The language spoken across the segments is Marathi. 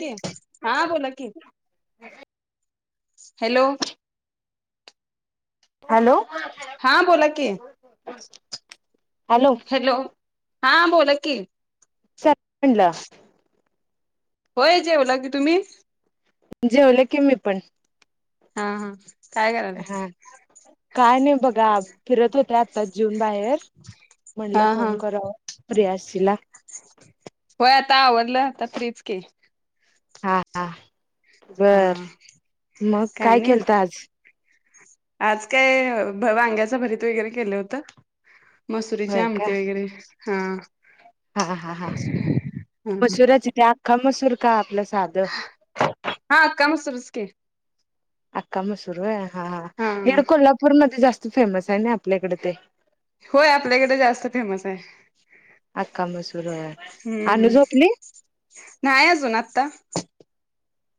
कि हा बोला कि हॅलो हॅलो हा बोला कि हॅलो हा बोला कि चला होय जव लागे तुम्ही जेवलं की मी पण हा हा काय करायला हा काय नाही बघा फिरत होते आत्ताच जीऊन बाहेर म्हटलं हा हा फोन कराव फ्रेयाशला होय आता आवडलंता तरीच के हा हा बर हा मग काय केलत आज आज काय वांग्याचं भरीत वगैरे केलं होत मसुरीचे होय का आमटे वगैरे हा हा हा हा ह मसूराची इथे आ्खा मसू शिरका हा काम असतसकी अका मसूर हा हेर कोल्हापूरमध्येध्ये जास्त फेमस आहे ना आपल्याकडे ते होय आपल्याकडे जास्त फेमस आहे अक्का म सुरू हम्म नाहीय अजून आत्ता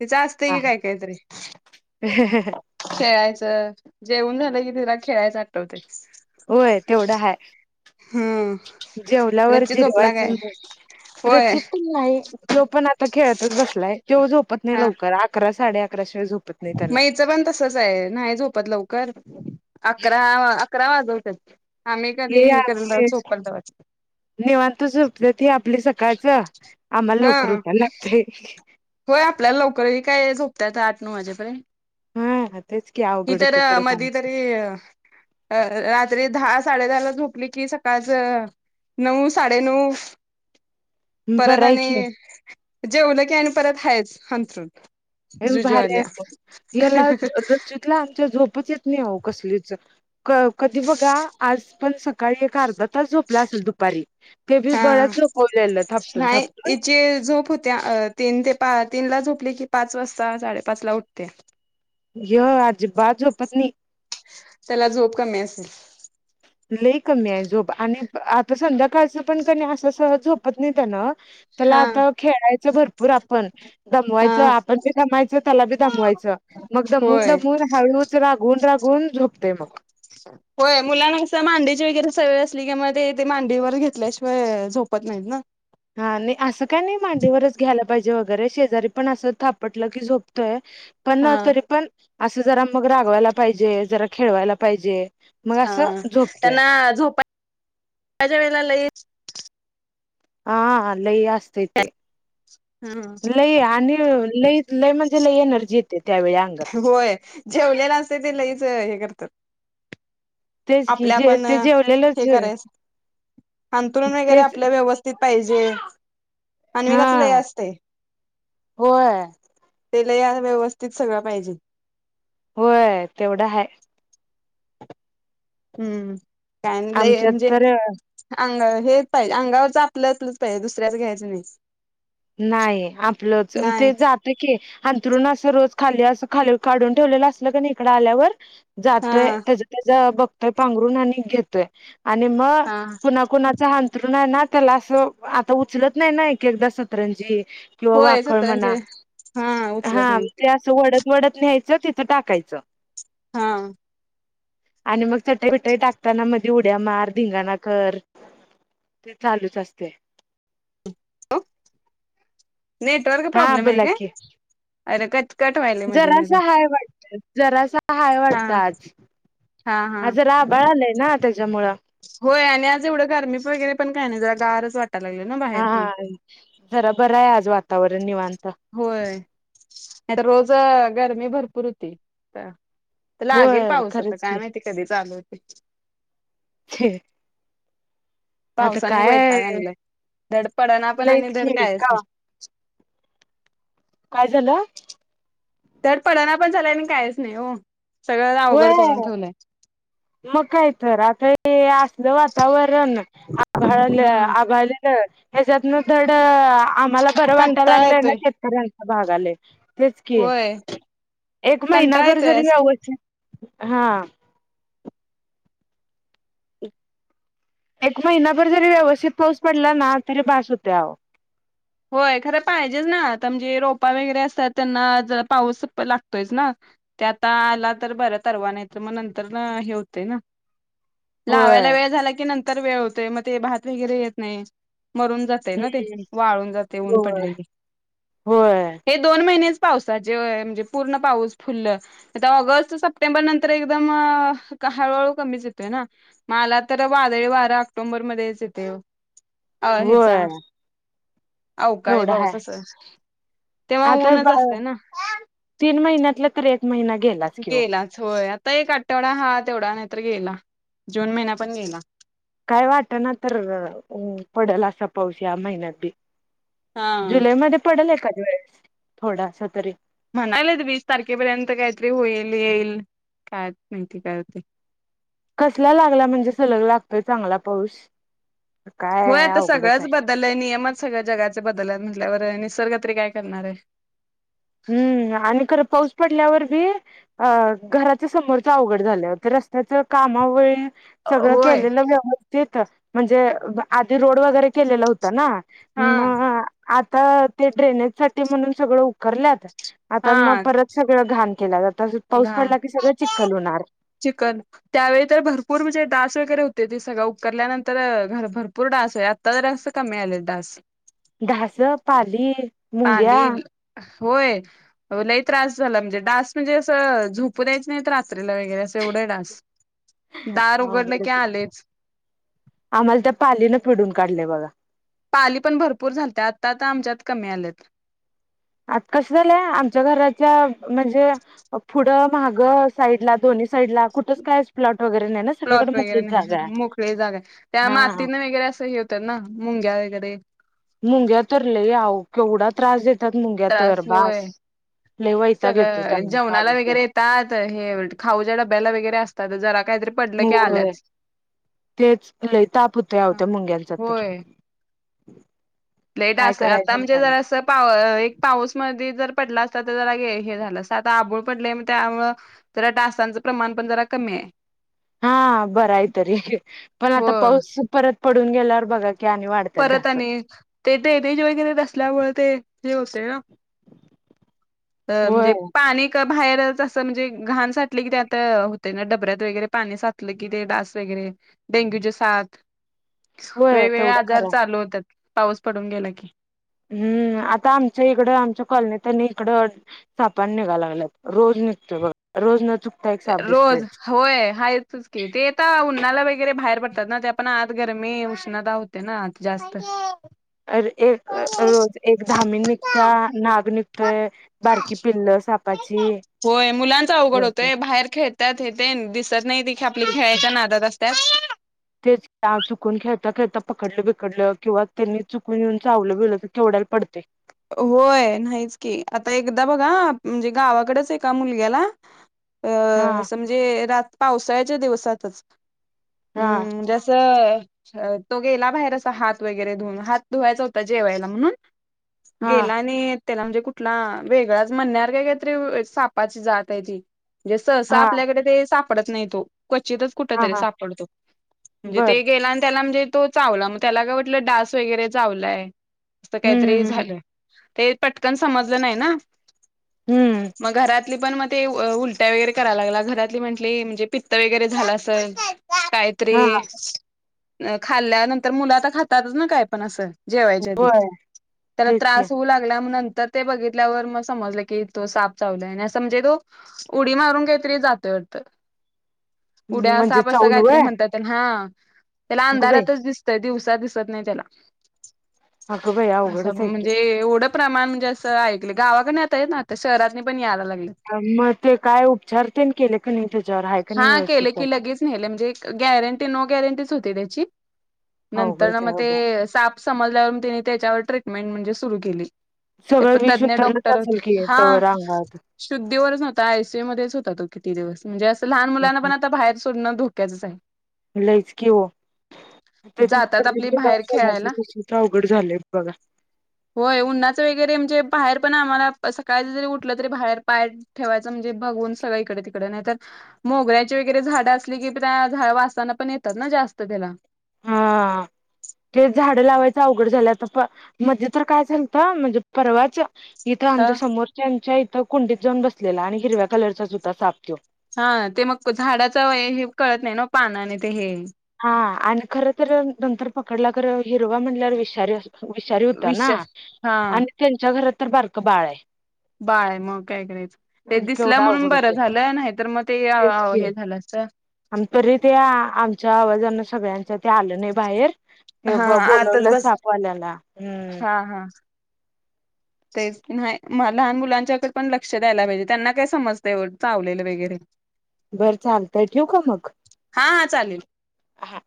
तिच असतंय की काय काहीतरी ह खेळायचं जेवन झालं की तुला खेळायचं आठवते होय तेवढं हा हम्म जेवलावर रच्ची झोपला काय जिरवायचं होय रचित नाही तो पण आता खेळतच बसलाय तो झो प लवकर साडे अकराश मैच पण तसच आहे नाही झोपत लवकर अकरा अकरा वाज हे आपले झोपल तवा निवांत सोप ते आपले सकाळच आम्हाला हा लवकर उटयला लागतय होय आपल्याला लवकरही काय झोपतय आठ नऊ वाजेपर्यंत हा तेच की हि अवघड तर होतंय परत मध आमचं तरी रात्री दहा साडे दहा ला झोपली की सकाळ नऊ साडे नऊ परत बरं आहे की आणि जेवलं की आणि फैज हंसरून भारी्या आहे याला रजितला आमच्या झोपत येत नाही कसलीच क कधी बघा आज पण सकाळी एक अर्धा झोपला असेल दुपारी ते बी हा बळाच झोपवलेलं थापटून नाही थपटून हिची तीनला झोपले की पाच वाजता साडेपाच ला उठते पत्नी त्याला झोप कमी असेल लई कमी आहे झोप आणि आता संध्याकाळचं पण क नाही असं सह झोपत नाही त्यान त्याला हा आता खेळायचं भरपूर आपण हा दमवायचं आपण बी दमायच त्याला बी दमवायचं मग दमून होय दमून हळूच रागून रा गुल झु हो मुलांना असं मांडीची वगैरे सगळ असली कि म ते मांडीवर घेतल्याशिवाय झोपत नाहीत ना हा नाही असं काय नाही मांडीवरच घ्यायला पाहिजे वगैरे शेजारी पण असं थापटलं की झोपतोय पण ना हा तरी पण असं जरा मग रागवायला पाहिजे जरा खेळवायला पाहिजे मग हा असं झोपतोय त्यांना झोप माझ्या वेळेला लई हा लई असस्तते लई आणि लई लय म्हणजे लई एनर्जीेत होय जेवलेला असते ते लईच हे करतात तेच की आपल्या जे पण ते जेवलेलंच हे करायचं अंतुरन वगैरे तेच आपल्या व्यवस्थित पाहिजे हा अमेाच लय असते होय आप व्यवस्थित सगळं पाहिजे होय तेवढं ह हम्म कान ल आमच्यात म्हणजे तर अंग हेच पाहिजे अंगावरच आपलंतच पाहिजे दुसऱ्याच घ्यायचं नाही नाही आपलंच नाही ते जात की अंतरण अस रोज खाली अस खाली काढून ठेवलेलं असलं का नाही इकडं आल्यावर हा जातोय त्याच त्याच बघ पांघरून अनेक घेतोय आणि मग हा कुणा कुणाचा हां त ना त्याला असं आता उचलत नाही नादा पतजी किंवा होय वाखळ सत्तरांचे म्हणा हा हा उचलत नाही ते अस वत वडत न्यायचं तिथं टाकायचं हा आणि मग चटाई बटाई टाकताना मध उड्या मार धिंगाणा कर ते चालूच असते हो नेटवर्क प्रॉब्लेम आहे का अर का जरास हय वाटत जरासाहााय हा वाटतच हा ज राबळ आलाय ना त्याच्यामुळं होय आणि आज एवढं गर्मी वगैरे पण काय नाही गारच वाटायला लागले ना हा बाहेर पण हा जरा बर आहे आज वाात तवर्रेनीव अ होय आणि रोज गरमी भरपूर होती तर लागेल होय पाऊस आता खरंच काय की माहिती कधी चालू ब खे पावसाने वैटता घणलं धड पडना पण आणि लईच धड की कायच का नाही काय झालं तर पडना पण लाय आणि काहीच नाही हो सगळ्यांना होय अवघड करून ठेवलंय मग काय तर आता हे असलं वातावरण घळले हा आभ ह्याच्यातन थोडं आम्हाला बरं वाटायला कंटाळा लागलंय ना येतोय शेतकऱ्यां भागाले तेच कि होय एक कंटाळा महिनाभर येतोय जरी असं ववच हा एक महिनाभर जरी व्यवस्थित पाऊस पडला ना तरी बास होतेह होय खरं पाहिजेच ना आता म्हणजे रोपा वगैरे असतात त्यांना ज पाऊस लागतोयच ना ते आता आला तर बर तरवा नाही तर मग नंतर हे होतय ना लावायला होय वेळ झाला की नंतर तर वेळ होतोय मग ते भात वगैरे येत नाही मरून जाते ना ते हम्म वाळून जाते ऊन पडले होय की. होय हे दोन महिनेच पावसाचे म्हणजे पूर्ण पाऊस फुल तर ऑगस्ट सप्टेंबर नंतर एकदम हळूहळू कमीच येतो ना मला तर वादळी वारा ऑक्टोंबरमध्येध्येच येते अ हेचा होय अवकाळी एवढं हाय पाऊच अस.. आता तीन महिन्यात.. [unintelligible] महिना गेलास किं. गेलाच होय आता एक आठवडा हा तेवढा नाहीतर गेला जून महिन्या पण गेला. काय वाट ना तर पडेल असा पाऊस या महिन्यात बी हा जुलैमध्ये पडलय का थोडा स तरी म्हणाले वीस तारखेपर्यंत काहीतरी होईल येईल काय माहिती काते... कसला लागला म्हणजे सलग लागतोय चांगला पाऊस होय काय आता अवघडच सगळंच बदल आहे नियमच सगळं जगाचे बदल आपल्यावर निसर्ग तरी काय करणार आहे.. हम्म आणि खरं पाऊस.. पडल्यावर बी अ घराच्या समोरच अवघड झालं तर रस्त्याच कामा व सगळं होय केलेलं व्यवस्थेत म्हणजे आधी रोड वगैरे केलेला होता ना.. हा [unintelligible] आता ते ड्रेनेज साठी म्हणून सगळं.. करल्यात.? आता मगं हा परत सगळं घाण. केला पाऊस पडला की सगळं चिख्खल होणार.. चिख्खल त्यावेळी तर भरपूर म्हणजे डास वगैरे होते ते सगळं उकरल्यानंतर भरपूर डास आहे, आता ज जात कमी आलेल डास, डास, पाली, मुंग्या, पाली होय लय त्रास झाला म्हणजे डास म्हणजे असं झोप द्यायच नाही रात्रीला वगैरे अस तेवढे डास.. दार उघडलं की अवघडच आलेच आम्हाला त्या पालीन फिडून काढलेय बघा? पाली पण भरपूर झालत आता आता आमच्यात कमी आलेत आता कस झालंय आमच्या घराच्या म्हणजे पुढं महाग साईडला दोन्ही साईडला कुठच काय प्लॉट.. वगैरे नाही ना सगळीकडे प्लॉट वगैरे मोकळीच नाही जागा आहे. मोकळी जागा त्या हा मातीने वगैरे असं हे होतं ना मुंग्या.. कडे. मुंग्या तर लय आव केवढा त्रास देतात. मुंग्या तर त्रास बास. होय लई वैताग येतोय सगळं त्यांना जेवणाला काढूस वगैरे येतात, हे खाऊच्या डब्याला वगैरे असतात.. तर जरा काहीतरी पडलं की होय आल्याच तेच लई ताप होतोय अहो मुंग्यांचा तर होय [unintelligible] लेट काय अस करायचं आता आणि म्हणजे काय नाही. जरासं पाऊस मध्ये जर पडला असता तर जरा हे झालं अस आता आभूळ पडले त्यामुळ जरा डासांचं प्रमाण पण जरा कमी. हा बराय तरी पण हो आता पाऊस परत पड गेल्यावर बघा की आणि वाढतात परत ढासं. आणि तेरेनेज वगैरे असल्यामुळे ते हे होते हो अ होय म्हणजे पाणी बाहेरच असं म्हणजे घाण साठले की, त्यात होते ना डबऱ्यात वगैरे पाणी साचलं की ते डास वगैरे डेंग्यूचे साथ. होय वेगवेगळे तेवढं खरं आजार चालू होतात. पाऊस पडून गेला की, हम्म आता आमच्या इकडं आमच्या कॉलनीत इकडं सापान निघायला लागला रोज निघतो बघ रोज न चुकता एक साप रोज दिसतोयच होय हायच की ते येत उन्हाला बाै वगैरे बाहेर पडतात ना त्या पण आत गरमी उष्णता होते ना जास्त [unintelligible] बारकी पिल्ल सापाची ेतात हे दिसत नाही. आपल्या तेच की खेळायच्या नादात असत. त्या तेच काव चुकून ख्या ता पकडलं बिकडलं किंवा त्यांनी चुकून येऊन चावलं बिवलं तर केवड्याला पडते. होय नाहीच की आता एकदा बघा म्हणजे गावाकडेच ए मुलग्याला अ हा म्हमजेात पावसाळ्याच्या दिवस सातच. हा हम्म जैसे अ तो गेला बाहेर असा हात वगैरे धुवन हात धुवायचा होता जेवायला म्हणून हा गेला आणि त्याला म्हणजे कुठला वेगळाच म्हणणार काय काही तरी सापाची जात आहे ती जसं हा आपल्याकडे ते पडत नाही तो क्वचितच कुठ हा तरी हा सापडतो म्हणजे बर ते गेला आणि त्याला म्हणजे तो चावला मग त्याला काय म्हटलं डास वगैरे चावलाय. असं काय त्रे हम्म हम्म झालं. ते पटकन समजलं नाही ना. हम्म मग घरात पण म ते उलट्या वगैरे करायला लागला, घरातली म्हटली म्हणजे पित्त वगैरे झालं असंल. काय तरी हा खाल्ल्यानंतर, मुलं आता खातातच ना काय पण असं. जेवायच्या आधी होय त्याला तेच की त्रास होऊ लागला नंतर ते बघितल्यावर मग समजलं की तो साप चावलाय असं म्हणजे तो उडी मारून काहीतरी जातोय वाटतं. उड्या म्हणजे साप असं चावून कायतरी व्हय म्हणतात त्या.. हा. त्याला अगं बाई अंधारातच दिसतय दिवस.. दिसत नाही त्याला. अगं बाई असं अवघडच आहे की म्हणजे एवढं प्रमाण म्हणजे असं ऐकलं गावाकडने येतायत ना आता शहरातनी पण यायला लाग.. हा मग ते काय उपचार तेन केले काय नाही त्याच्यावर आहे काय नाही हा व्यवस्थित केले पोरं. की लगेच नेले ची नंतरन म ते साप समजल्यावर म ते त्याच्यावर ट्रीटमेंट म्हणजे सुरु केली. ते सगळं पण विष तज्ञ उतरलंच डॉक्टर असलं की तंवर अंगात. दिवरच नव्हता, आय सी यू मध्येच होता तो किती दिवस म्हणजे असं लहान मुलांना पण आता बाहेर सो... डण धोक्याचच आहे. लईच की ओ जातात आपली बाहेर खेळायला. [unintelligible] अवघड झा.. होय उन्हाच वगैरे म्हणजे बाहेर पण आम्हाला सकाळच जरी उठलं तरी बाहेर पाय ठेवायचं म्हणजे बघून सगळ इकडे तिकडे नाहीतर मोगऱ्याची वगैरे झाडं असली की त्या झा वासान पण येतात ना जास्त त्याला. हा झालय आता पा मदी तर काय चालत म्हणजे परवाच इथ ह आमच्या समोरच्यांच्या इथ तो कुंडीत जाऊन बसलेला आणि हिरव्या कलरचाच होता साप तो. हा ते मग झाडाचा हे कळत नाही नव पानं आणि ते हे हा आणि खर तर नंतर पकडला खर हिरवा म्हणल्यावर विषारी अस.. विषारी होता विष ना, हा आणि त्यांच्या घरात तर बारकं बाळ आहे. बाय मग काय करायचं ते दिसलं केवढं म्हणून अवघड बरं होतय झालं नाही तर मग ते तेच की हे झालं असत. आम च्या आवाजान सगळ्यांच ते आलं नाही बाहेर हा ब आताच बोलवलं बस साप वाल्याला हम्म हा हा तेच नाही लहान मुलांच्याकड पण लक्ष द्यायला पाहिजे त्यांना काय समजतय चावलेलं वगैरे बरं चालतय ठेवू का मग? हा हा चालेल. हा.